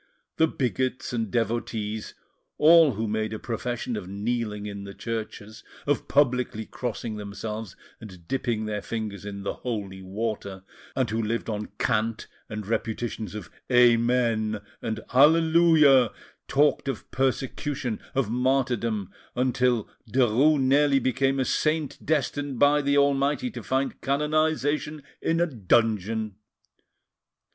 The bigots and devotees, all who made a profession of kneeling in the churches, of publicly crossing themselves and dipping their fingers in the holy water, and who lived on cant and repetitions of "Amen" and "Alleluia," talked of persecution, of martyrdom, until Derues nearly became a saint destined by the Almighty to find canonisation in a dungeon.